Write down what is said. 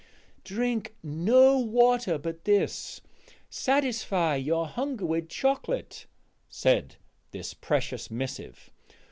"Drink no water but this; satisfy your hunger with chocolate," said this precious missive.